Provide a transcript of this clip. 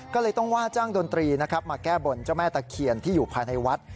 ก็เลยต้องว่าจ้างดนตรีนะครับมาแก้บนเจ้าแม่ตะเคียนที่อยู่ภายในวัด